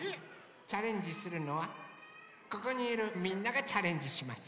チャレンジするのはここにいるみんながチャレンジします。